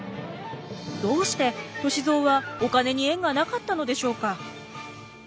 どうして歳三はお金に縁がなかったのでしょうか？